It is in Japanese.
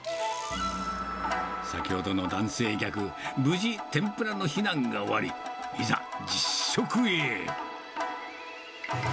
先ほどの男性客、無事、天ぷらの避難が終わり、いざ、実食へ。